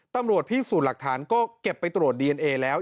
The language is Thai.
ตำรวจพิสูจน์หลักฐานก็เก็บไปตรวจดีเอนเอแล้ว